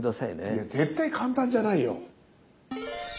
いや絶対簡単じゃないよ。